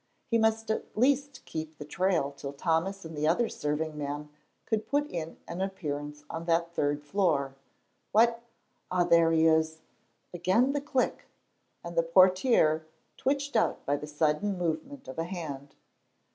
He must at least keep the trail till Thomas and the other serving man could put in an appearance on that third floor. What, ah, there he is! Again the click! And the portière twitched out by the sudden movement of a hand.